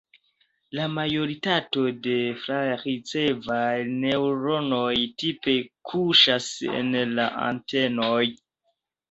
La majoritato de flar-ricevaj neŭronoj tipe kuŝas en la antenoj.